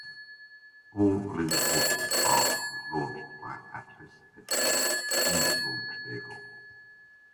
All Lunar Orbiter craft were launched by an Atlas-Agena D launch vehicle.